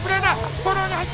フォローに入った。